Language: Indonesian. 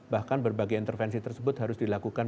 bahkan berbagai intervensi tersebut harus dilakukan